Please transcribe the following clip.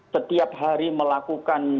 setiap hari melakukan